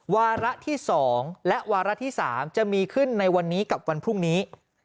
วาระที่๒และวาระที่๓จะมีขึ้นในวันนี้กับวันพรุ่งนี้